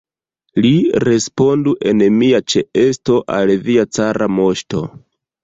Li respondu en mia ĉeesto al via cara moŝto!